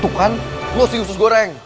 tuh kan lo si usus goreng